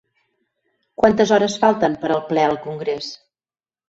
Quantes hores falten per al ple al congrés?